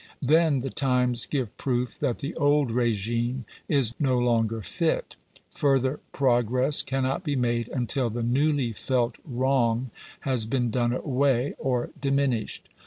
Then the times give proof that the old regime is no longer fit. Further progress cannot be made until the newly felt wrong has been done away or diminished.